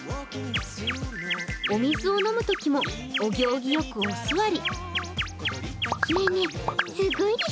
お水を飲むときもお行儀よくお座り。